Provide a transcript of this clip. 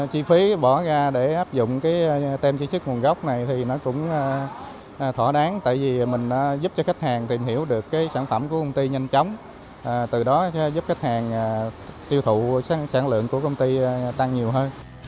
chi phí bỏ ra để áp dụng cái tem truy xuất nguồn gốc này thì nó cũng thỏa đáng tại vì mình giúp cho khách hàng tìm hiểu được cái sản phẩm của công ty nhanh chóng từ đó giúp khách hàng tiêu thụ sản lượng của công ty tăng nhiều hơn